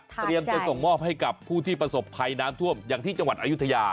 จะส่งมอบให้กับผู้ที่ประสบภัยน้ำท่วมอย่างที่จังหวัดอายุทยา